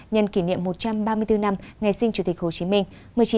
nhân kỷ niệm một trăm ba mươi bốn năm ngày sinh chủ tịch hồ chí minh